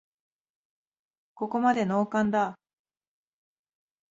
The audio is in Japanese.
ここまでノーカンだ